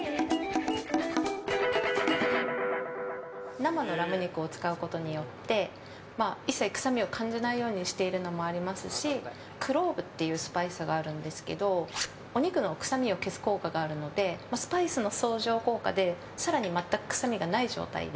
生のラム肉を使うことによって一切、臭みを感じないようにしているのもありますしクローブっていうスパイスがあるんですけどお肉の臭みを消す効果があるのでスパイスの相乗効果で更に全く臭みがない状態で。